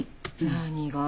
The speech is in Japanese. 何が？